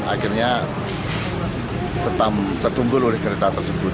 akhirnya tertumbul oleh kereta tersebut